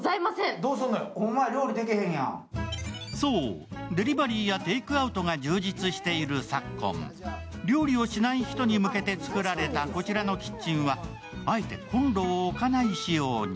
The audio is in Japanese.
そう、デリバリーやテイクアウトが充実している昨今、料理をしない人に向けて作られたこちらのキッチンはあえてコンロを置かない仕様に。